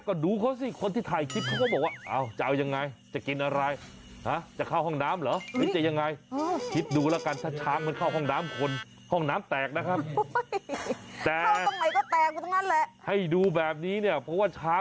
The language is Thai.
ไปไปไปไปไปไปไปไปไปไปไปไปไปไปไปไปไปไปไปไปไปไปไปไปไปไปไปไปไปไปไปไปไปไปไปไปไปไปไปไปไปไปไปไปไปไปไปไปไปไปไปไปไปไปไปไป